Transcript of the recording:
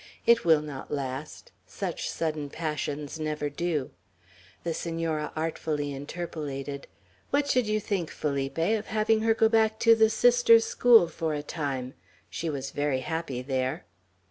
It will not last. Such sudden passions never do." The Senora artfully interpolated, "What should you think, Felipe, of having her go back to the Sisters' school for a time? She was very happy there."